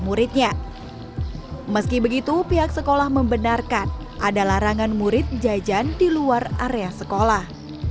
muridnya meski begitu pihak sekolah membenarkan ada larangan murid jajan di luar area sekolah